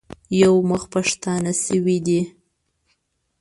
یو مخ پښتانه شوي دي.